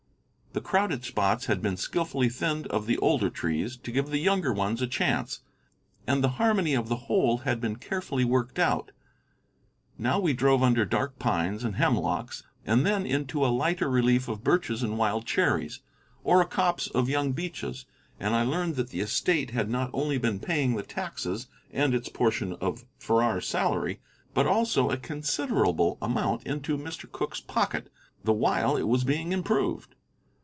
The crowded spots had been skilfully thinned of the older trees to give the younger ones a chance, and the harmony of the whole had been carefully worked out. Now we drove under dark pines and hemlocks, and then into a lighter relief of birches and wild cherries, or a copse of young beeches. And I learned that the estate had not only been paying the taxes and its portion of Farrar's salary, but also a considerable amount into Mr. Cooke's pocket the while it was being improved.